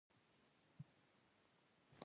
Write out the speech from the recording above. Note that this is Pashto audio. خو پانګوال یوازې نیم مزد دوی ته ورکوي